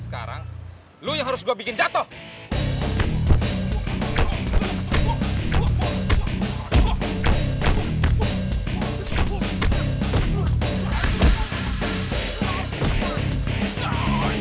sekarang lo yang harus gue bikin jatuh